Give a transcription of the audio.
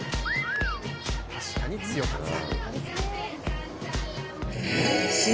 確かに強かった。